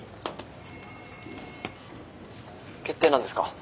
決定なんですか？